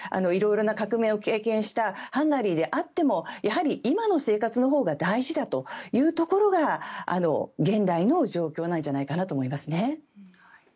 いろいろな革命を経験したハンガリーであってもやはり今の生活のほうが大事だというところが現代の状況なんじゃないかなと思いますね。